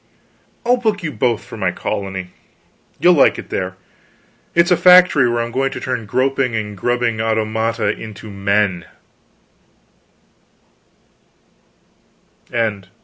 I'll book you both for my colony; you'll like it there; it's a Factory where I'm going to turn groping and grubbing automata into men."